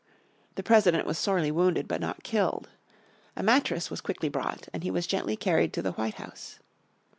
The President was sorely wounded, but not killed. A mattress was quickly brought, and he was gently carried to the White House.